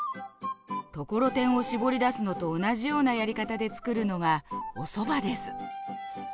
ところてんを絞り出すのと同じようなやり方で作るのがおそばです。